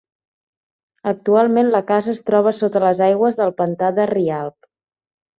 Actualment la casa es troba sota les aigües del pantà de Rialb.